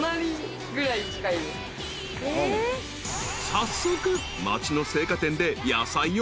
［早速］